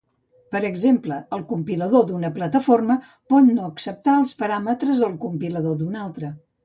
Per exemple, el compilador d'una plataforma pot no acceptar els paràmetres del compilador d'una altra.